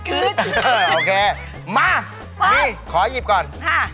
อึ๊ดโอเคมานี่ขอยิบก่อน